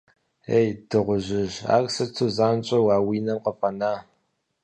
Ей, дыгъужьыжь, ар сыту занщӏэу а уи нам къыфӏэна?